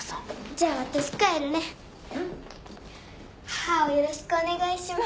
母をよろしくお願いします。